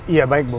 iya baik bu